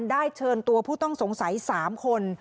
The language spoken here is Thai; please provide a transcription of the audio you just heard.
เชิญตัวผู้ต้องสงสัย๓คน